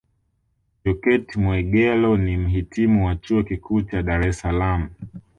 Jokate Mwegelo ni Mhitimu Chuo Kikuu cha Dar Es Salaam